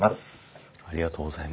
ありがとうございます。